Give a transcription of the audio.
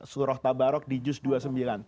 suruh tabarok di juz' dua puluh sembilan